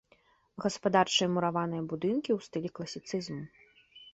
Гаспадарчыя мураваныя будынкі ў стылі класіцызму.